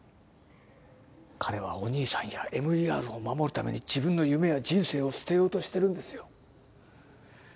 彼はお兄さんやＭＥＲを守るために自分の夢や人生を捨てようとしてるんですよ